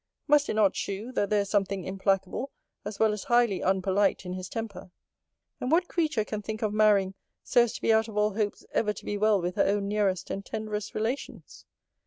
Must it not shew, that there is something implacable, as well as highly unpolite in his temper? And what creature can think of marrying so as to be out of all hopes ever to be well with her own nearest and tenderest relations?